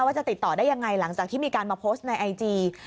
ว่าจะติดต่อได้ยังไงหลังจากที่มีการมาโพสต์ในไอจี